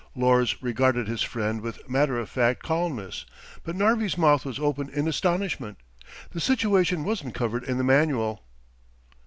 Lors regarded his friend with matter of fact calmness, but Narvi's mouth was open in astonishment. The situation wasn't covered in the manual.